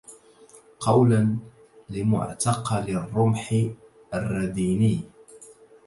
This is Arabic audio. قولا لمعتقل الرمح الرديني